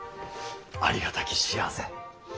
ありがたき幸せ。